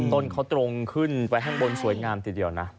ต้นเขาตรงขึ้นไปข้างบนสวยงามทีเดียวนะ